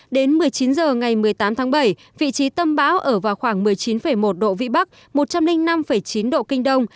đến một mươi chín h ngày một mươi tám tháng bảy vị trí tâm bão ở vào khoảng một mươi chín một độ vĩ bắc một trăm linh năm chín độ kinh đông